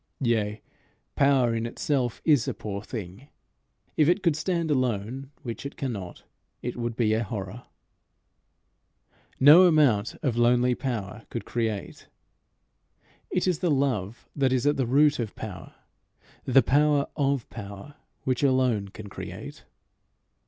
Yea, power in itself is a poor thing. If it could stand alone, which it cannot, it would be a horror. No amount of lonely power could create. It is the love that is at the root of power, the power of power, which alone can create.